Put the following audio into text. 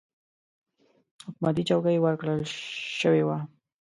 حکومتي چوکۍ ورکړه شوې وه.